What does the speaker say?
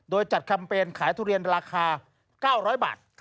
โดยจัดแคมเปญขายทุเรียนราคา๙๐๐บาท